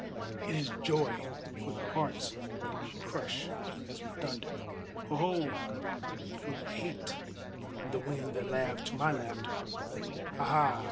it is joy for the hearts that we crush as we thunder! Ho! Ho! for the hate of the winds that laugh to my laughter! Ha! Ha!